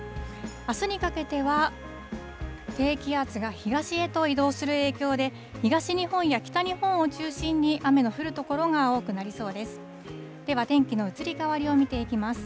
あすにかけては、低気圧が東へと移動する影響で、東日本や北日本を中心に雨の降る所が多くなりそうです。